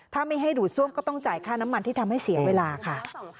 ถ้าไม่ให้ดูดซ่วมก็ต้องจ่ายค่าน้ำมันที่ทำให้เสียเวลาค่ะ